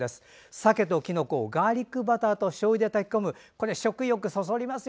鮭ときのこをガーリックバターとしょうゆで炊き込む食欲そそりますよ。